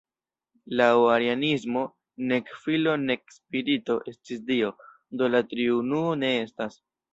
Laŭ arianismo, nek Filo nek Spirito estis Dio, do la Triunuo ne estas.